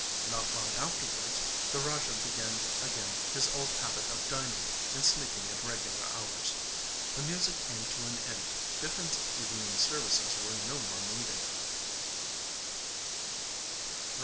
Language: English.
Not long afterwards, the Raja began again his old habit of dining and sleeping at regular hours. The music came to an end. Bipin's evening services were no more needed.